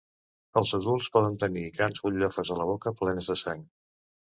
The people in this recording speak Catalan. Els adults poden tenir grans butllofes a la boca plenes de sang.